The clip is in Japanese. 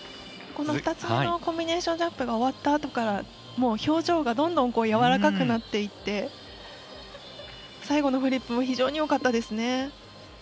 ２つ目のコンビネーションジャンプが終わったあとから表情がどんどんやわらかくなっていって最後のフリップも非常によかったですね。